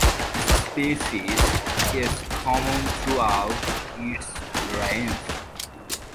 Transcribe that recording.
This species is common throughout its range.